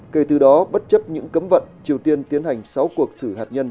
kể từ đó bất chấp những cấm vận triều tiên tiến hành sáu cuộc thử hạt nhân